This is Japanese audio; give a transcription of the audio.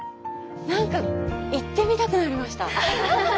何か行ってみたくなりました。